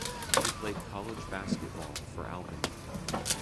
He played college basketball for Albany.